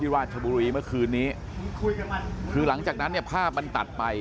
ราชบุรีเมื่อคืนนี้คือหลังจากนั้นเนี่ยภาพมันตัดไป